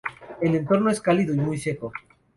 El entorno es cálido y muy seco.